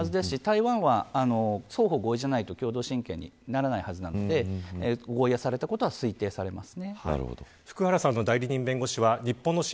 台湾でずっとお子さんは居住していたはずですし台湾は双方合意じゃないと共同親権にならないはずなので合意をされたことは推定されます。